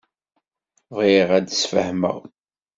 Bɣiɣ ad d-sfehmeɣ.